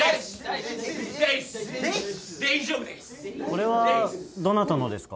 これはどなたのですか？